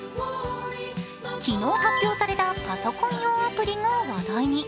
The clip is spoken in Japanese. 昨日発表されたパソコン用アプリが話題に。